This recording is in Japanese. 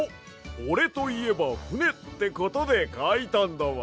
おれといえばふねってことでかいたんだわ。